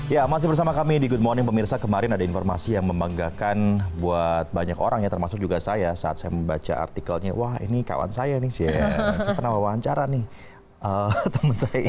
ya masih bersama kami di good morning pemirsa kemarin ada informasi yang membanggakan buat banyak orang ya termasuk juga saya saat saya membaca artikelnya wah ini kawan saya nih saya pernah wawancara nih